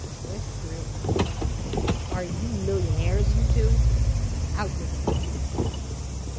West grinned. "Are you millionaires, you two? Out with it."